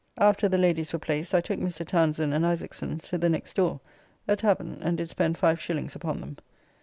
After the ladies were placed I took Mr. Townsend and Isaacson to the next door, a tavern, and did spend 5s. upon them.